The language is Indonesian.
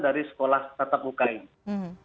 dari sekolah tatap muka ini